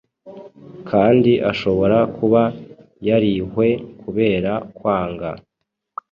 kandi ahobora kuba yarihwe kubera kwanga